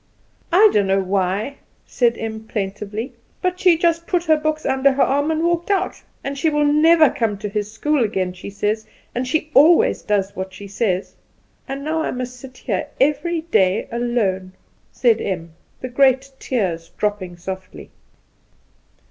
I don't know why," said Em plaintively, "but she just put her books under her arm and walked out; and she will never come to his school again, she says, and she always does what she says. And now I must sit here every day alone," said Em, the great tears dropping softly.